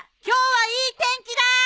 今日はいい天気だ！